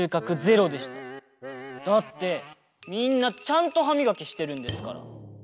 だってみんなちゃんとはみがきしてるんですから。